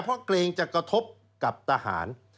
เพราะเกรงจะกระทบกับทหาร